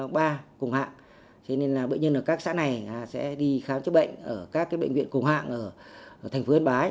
bệnh viện một trăm linh ba cùng hạng bệnh viện ở các xã này sẽ đi khám chữa bệnh ở các bệnh viện cùng hạng ở tp han bái